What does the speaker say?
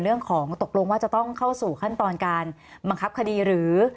เรื่องของตกลงว่าจะต้องเข้าสู่ขั้นตอนการบังคับคดีหรือ